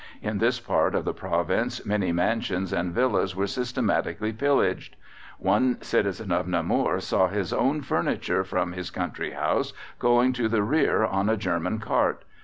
In this part of the province many mansions and villas were systematically pillaged. One citizen of Namur saw his own furniture from his country house going to the rear on a German cart.